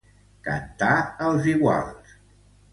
Cantar els iguals.